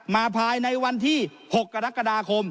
ภายในวันที่๖กรกฎาคม